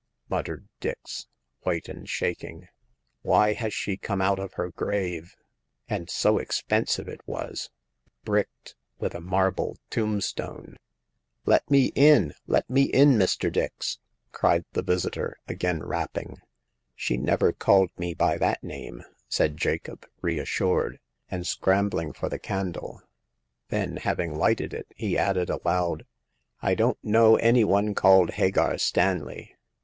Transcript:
muttered Dix, white and shaking. " Why has she come out of her grave ?— and so expensive it was ; bricked ; with a marble tombstone." " Let me in ! let me in, Mr. Dix !" cried the visitor, again rapping. " She never called me by that name," said Jacob, reassured, and scrambling for the candle ; then, having lighted it, he added aloud: I don't know any one called Hagar Stanley."